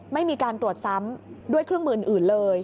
ไม่มีการตรวจซ้ำด้วยเครื่องมืออื่นเลย